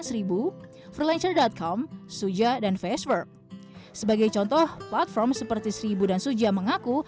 hai bu freelancer com suja dan facebook sebagai contoh platform seperti seribu dan suja mengaku